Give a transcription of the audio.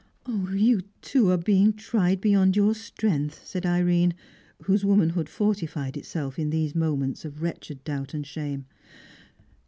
"You, too, are being tried beyond your strength," said Irene, whose womanhood fortified itself in these moments of wretched doubt and shame.